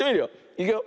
いくよ。